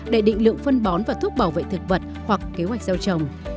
để định lượng phân bón và thuốc bảo vệ thực vật hoặc kế hoạch gieo trồng